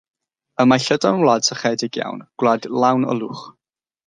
Y mae Llydaw'n wlad sychedig iawn, gwlad lawn o lwch.